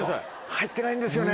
入ってないんですよね。